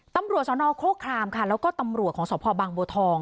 ตำรวจสนโครครามค่ะแล้วก็ตำรวจของสพบางบัวทอง